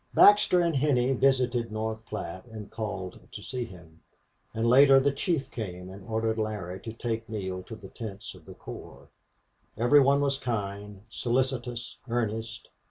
Baxter and Henney visited North Platte and called to see him, and later the chief came and ordered Larry to take Neale to the tents of the corps. Every one was kind, solicitous, earnest.